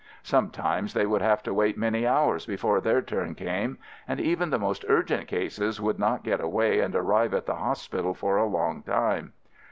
Sometimes they would have to wait many hours before their turn came, and even the most urgent cases would not get away and arrive at the hos pital for a long time.